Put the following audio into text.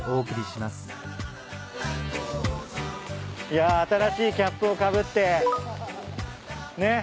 いや新しいキャップをかぶってねっ。